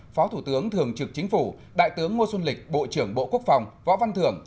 phó thủ tướng thường trực chính phủ đại tướng ngô xuân lịch bộ trưởng bộ quốc phòng võ văn thưởng